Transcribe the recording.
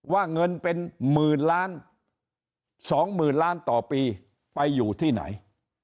ว่าเงินเป็นหมื่นล้านสองหมื่นล้านต่อปีไปอยู่ที่ไหน